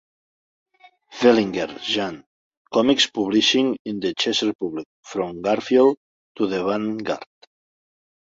Velinger, Jan. "Comics Publishing in the Czech Republic: From Garfield to the Avant Garde".